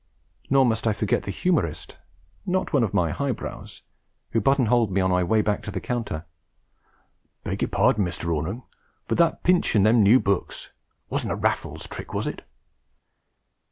Nor must I forget the humorist (not one of my high brows) who button holed me on my way back to the counter: 'Beg yer pardon, Mr. 'Ornung, but that pinchin' them new books wasn't a Raffles trick, was it?'